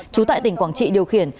chú tại tỉnh quảng trị điều khiển